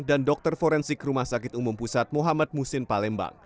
dan dokter forensik rumah sakit umum pusat muhammad musin palembang